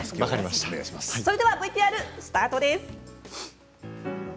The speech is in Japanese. それではＶＴＲスタートです。